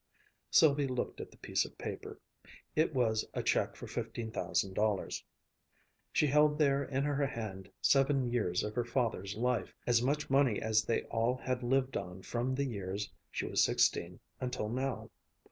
Sylvia looked at the piece of paper. It was a check for fifteen thousand dollars. She held there in her hand seven years of her father's life, as much money as they all had lived on from the years she was sixteen until now.